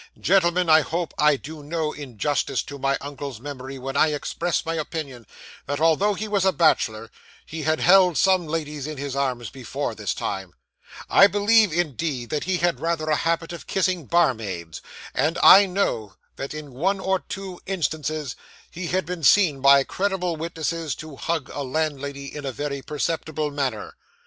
'Gentlemen, I hope I do no injustice to my uncle's memory, when I express my opinion, that although he was a bachelor, he had held some ladies in his arms before this time; I believe, indeed, that he had rather a habit of kissing barmaids; and I know, that in one or two instances, he had been seen by credible witnesses, to hug a landlady in a very perceptible manner.